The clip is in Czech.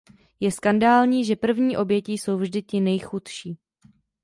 Je skandální, že první oběti jsou vždy ti nejchudší.